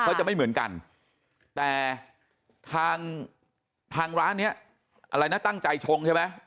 เขาจะไม่เหมือนกันแต่ทางทางร้านเนี้ยอะไรนะตั้งใจชงใช่ไหม